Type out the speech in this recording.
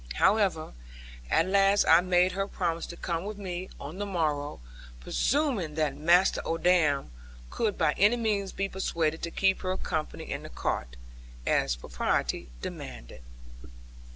However, at last I made her promise to come with me on the morrow, presuming that Master Odam could by any means be persuaded to keep her company in the cart, as propriety demanded.